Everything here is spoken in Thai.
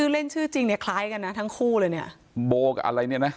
เล่นชื่อจริงเนี่ยคล้ายกันนะทั้งคู่เลยเนี่ย